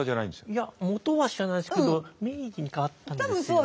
いや元は知らないですけど明治に変わったんですよね。